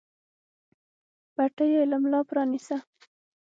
پټۍ يې له ملا پرانېسته.